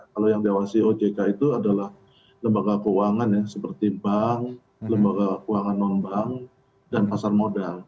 kalau yang diawasi ojk itu adalah lembaga keuangan ya seperti bank lembaga keuangan non bank dan pasar modal